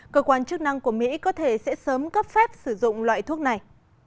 cơ quan chức năng của mỹ có thể sẽ sớm cấp phép sử dụng loại thuốc này